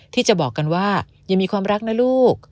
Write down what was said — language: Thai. ที่จะบอกกันว่าอย่ามีความรักนะลูก